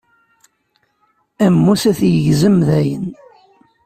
Ammus ad t-yegzem dayen.